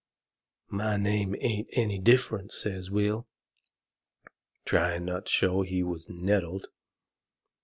"My name ain't any difference," says Will, trying not to show he was nettled.